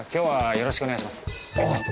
よろしくお願いします。